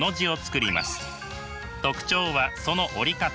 特徴はその織り方。